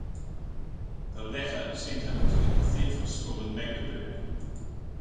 The latter sent him to the cathedral school in Magdeburg.